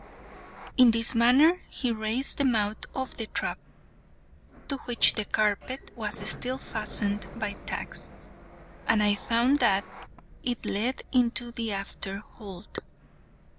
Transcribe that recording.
In this manner he raised the mouth of the trap (to which the carpet was still fastened by tacks), and I found that it led into the after hold.